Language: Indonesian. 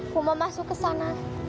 kumo masuk ke sana